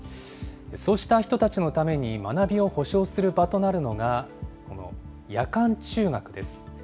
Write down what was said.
そうした人たちのために学びを保障する場となるのが、この夜間中学です。